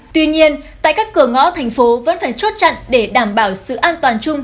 tuy nhiên tại các cửa ngõ thành phố vẫn phải chốt chặn để đảm bảo sự an toàn chung